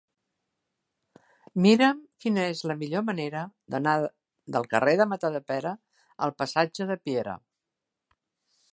Mira'm quina és la millor manera d'anar del carrer de Matadepera al passatge de Piera.